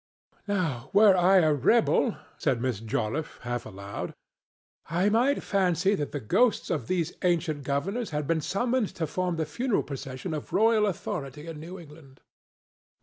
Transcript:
"Now, were I a rebel," said Miss Joliffe, half aloud, "I might fancy that the ghosts of these ancient governors had been summoned to form the funeral procession of royal authority in New England."